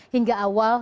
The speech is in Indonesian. hingga awal tahun